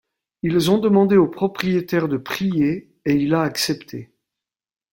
Ils ont demandé au propriétaire de prier et il a accepté.